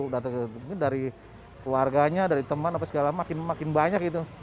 mungkin dari keluarganya dari teman makin banyak gitu